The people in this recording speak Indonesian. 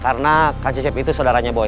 karena kang sisip itu saudaranya boy